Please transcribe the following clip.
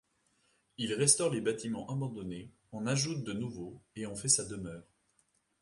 Il restaure les bâtiments abandonnés, en ajoute de nouveaux et en fait sa demeure.